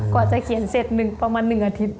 กว่าจะเขียนเสร็จประมาณ๑อาทิตย์